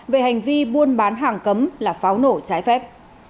về hành vi buôn bán hàng cấm là pháo nổ trái phép